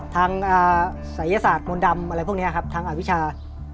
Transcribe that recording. ศัยศาสตร์มนต์ดำอะไรพวกนี้ครับทางอวิชา